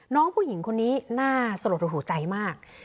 น้องผู้หญิงคนนี้น่าสลดหัวใจมาก